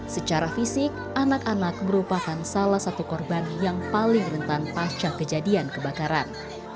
secara fisik anak anak merupakan salah satu korban yang paling rentan pasca kejadian kebakaran